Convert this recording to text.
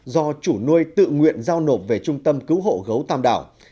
do chủ nuôi tự nguyện giao nộp về trung tâm cứu hộ gấu tam đảo